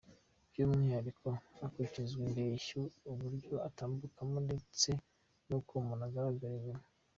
By’umwiharko hakurikijwe indeshyo, uburyo utambukamo ndetse n’uko umuntu agaragara inyuma.